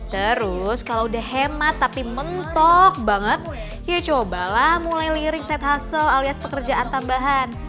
terus kalau udah hemat tapi mentok banget ya cobalah mulai liring set hussel alias pekerjaan tambahan